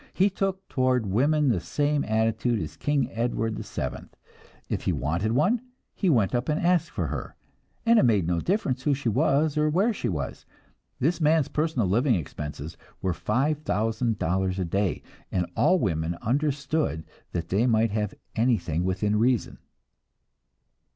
He took toward women the same attitude as King Edward VII; if he wanted one, he went up and asked for her, and it made no difference who she was, or where she was. This man's personal living expenses were five thousand dollars a day, and all women understood that they might have anything within reason.